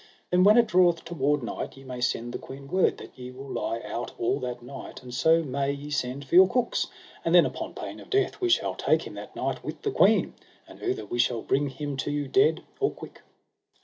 Then when it draweth toward night, ye may send the queen word that ye will lie out all that night, and so may ye send for your cooks, and then upon pain of death we shall take him that night with the queen, and outher we shall bring him to you dead or quick.